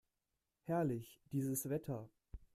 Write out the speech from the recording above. Herrlich, dieses Wetter!